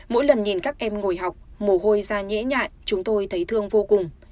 mỗi lần nhìn các em ngồi học mồ hôi ra nhễ nhại chúng tôi thấy thương vô cùng